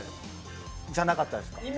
じゃなかったですか？